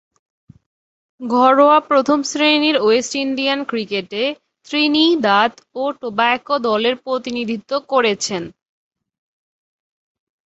ঘরোয়া প্রথম-শ্রেণীর West Indian ক্রিকেটে ত্রিনিদাদ ও টোবাগো দলের প্রতিনিধিত্ব করেছেন।